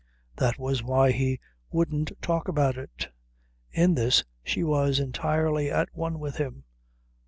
That was why he wouldn't talk about it. In this she was entirely at one with him.